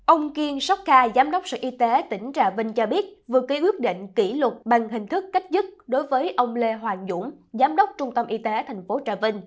ông kiên sóc ca giám đốc sở y tế tỉnh trà vinh cho biết vừa ký quyết định kỷ luật bằng hình thức cách chức đối với ông lê hoàng dũng giám đốc trung tâm y tế tp hcm